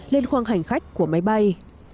lên khoang hành khách của máy bay